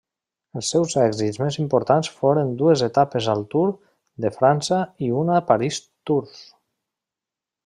Els seus èxits més importants foren dues etapes al Tour de França i una París-Tours.